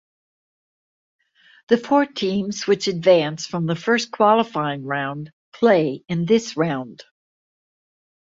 The four teams which advance from the first qualifying round play in this round.